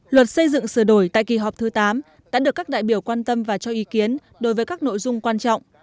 luật xây dựng sửa đổi tại kỳ họp thứ tám đã được các đại biểu quan tâm và cho ý kiến đối với các nội dung quan trọng